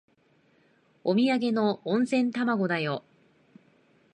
おみやげの温泉卵だよ。